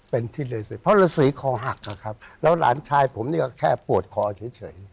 เป็นที่เลสิเพราะฤษีคอหักนะครับแล้วหลานชายผมเนี่ยก็แค่ปวดคอเฉย